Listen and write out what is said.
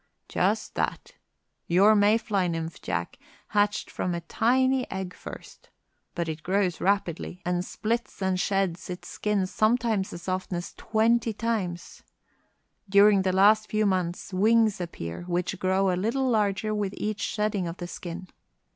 "Just that. Your May fly nymph, Jack, hatched from a tiny egg first. But it grows rapidly, and splits and sheds its skin sometimes as often as twenty times. During the last few months wings appear, which grow a little larger with each shedding of the skin.